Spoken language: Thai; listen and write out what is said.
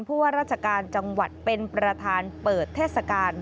ว่าราชการจังหวัดเป็นประธานเปิดเทศกาล